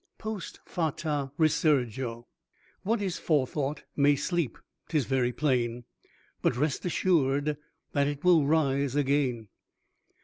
"Post fata resurgo." "What is forethought may sleep 'tis very plain, But rest assured that it will rise again."